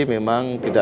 terima kasih pak